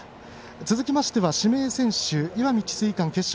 続きましては指名選手石見智翠館の決勝